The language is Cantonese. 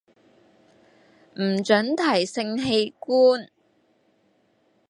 唔准提性器官